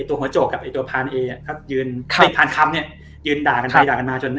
อีกตัวโหจกกับพาลแอค่ะคือพาลคำยืนด่ากันให้ด่ากันมา